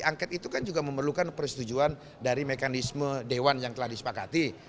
angket itu kan juga memerlukan persetujuan dari mekanisme dewan yang telah disepakati